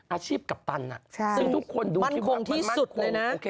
อาชีพกัปตันอ่ะใช่ซึ่งทุกคนดูมันคงที่สุดเลยน่ะโอเค